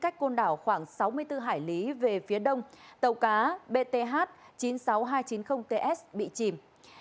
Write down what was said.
cách côn đảo khoảng sáu mươi bốn hải lý về phía đông tàu cá bth chín mươi sáu nghìn hai trăm chín mươi ts bị chìm